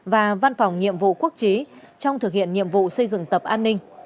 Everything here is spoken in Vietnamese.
và văn phòng nhiệm vụ quốc trí trong thực hiện nhiệm vụ xây dựng tập an ninh